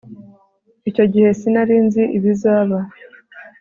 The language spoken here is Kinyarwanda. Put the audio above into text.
icyo gihe, sinari nzi ibizaba